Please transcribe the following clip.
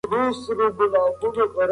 د جنګي قضیې اصلي عاملین څوک وو؟